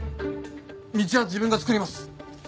道は自分が作ります。